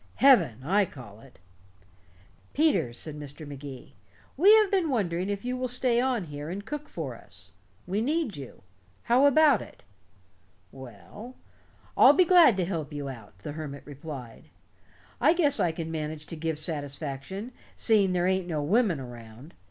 Heaven, I call it." "Peters," said Mr. Magee, "we have been wondering if you will stay on here and cook for us. We need you. How about it?" "Well I'll be glad to help you out," the hermit replied. "I guess I can manage to give satisfaction, seeing there ain't no women around.